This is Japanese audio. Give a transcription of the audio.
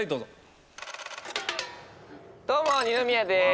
どうも二宮です。